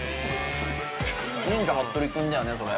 ◆「忍者ハットリくん」だよね、それ。